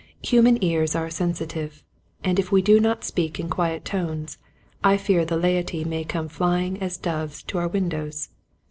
Human ears are sensitive ; and if we do not speak in quiet tones, I fear the laity may come flying as doves to our windows.